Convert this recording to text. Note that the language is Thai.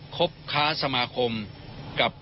บค้าสมาคมกับ